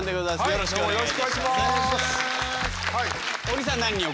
よろしくお願いします。